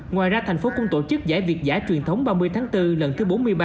ngoài ra tp hcm cũng tổ chức giải việt giải truyền thống ba mươi tháng bốn lần thứ bốn mươi ba